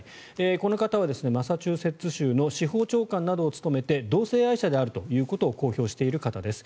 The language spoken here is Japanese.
この方はマサチューセッツ州の司法長官などを務めて同性愛者であるということを公表している方です。